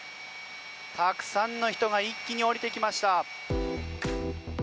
たくさんの人が一気に降りてきました。